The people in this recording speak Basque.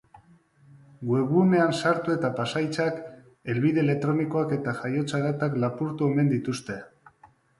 Webgunean sartu eta pasahitzak, helbide elektronikoak eta jaiotza datak lapurtu omen dituzte.